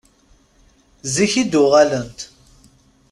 Zik i d-uɣalent?